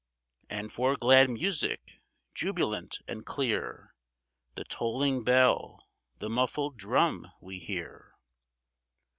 And for glad music, jubilant and clear. The tolling bell, the muffled drum, we hear.